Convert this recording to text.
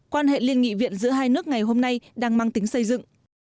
quan hệ liên nghị viện giữa hai nước ngày hôm nay đang mang tính xây dựng